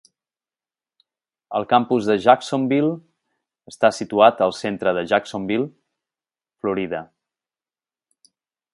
El campus de Jacksonville està situat al centre de Jacksonville, Florida.